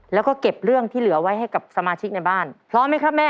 แล้วก็เก็บเรื่องที่เหลือไว้ให้กับสมาชิกในบ้านพร้อมไหมครับแม่